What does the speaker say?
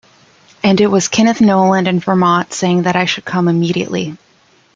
And it was Kenneth Noland in Vermont saying that I should come immediately.